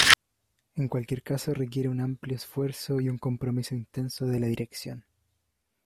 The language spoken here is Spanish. En cualquier caso requiere un amplio esfuerzo y un compromiso intenso de la dirección.